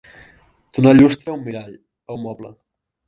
Donar llustre a un mirall, a un moble.